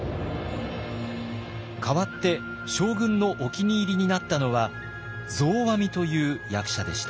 代わって将軍のお気に入りになったのは増阿弥という役者でした。